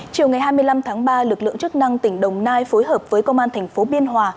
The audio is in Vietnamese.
chiều ngày hai mươi năm tháng ba lực lượng chức năng tỉnh đồng nai phối hợp với công an thành phố biên hòa